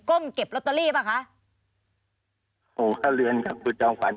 ก้มเก็บลอตเตอรี่ป่ะคะโหข้าเลือนครับคุณจำฝาน